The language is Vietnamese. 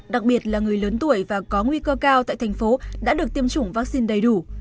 đặc biệt là người lớn tuổi và có nguy cơ cao tại thành phố đã được tiêm chủng vaccine đầy đủ